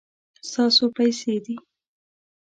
دا ستاسو پیسې دي